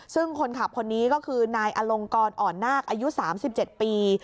ซึ่งคนขับคนนี้ก็คือนายอลงกรอ่อนนาคอายุ๓๗ปี